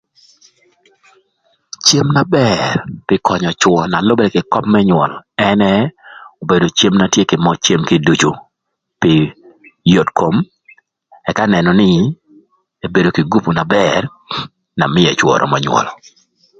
Cem na bër pï könyö cwö na lübërë kï köp më nywöl ënë obedo cem na tye kï möc cem kiducu pï yot kom ëka nënö nï ebedo kï gupu na bër na mïö ëcwö römö nywöl.